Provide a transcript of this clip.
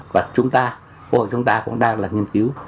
và chúng ta quốc hội chúng ta cũng đang là nghiên cứu